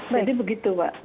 jadi begitu pak